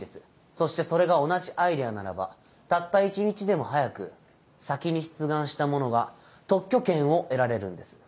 そしてそれが同じアイデアならばたった一日でも早く先に出願した者が特許権を得られるんです。